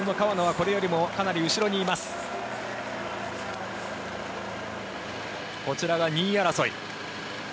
こちらが２位争い。